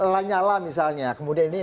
lanyala misalnya kemudian ini